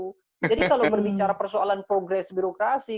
jadi kalau berbicara persoalan progres birokrasi